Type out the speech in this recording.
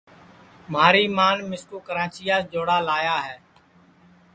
مھاری مان مِسکُو کراچیاس جوڑا لایا ہے